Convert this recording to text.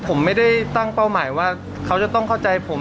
ผมไม่ได้ตั้งเป้าหมายว่าเขาจะต้องเข้าใจผม